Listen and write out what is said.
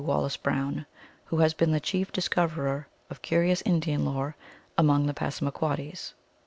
Wallace Brown, who has been the chief discoverer of curious Indian lore among the Passamaquoddies.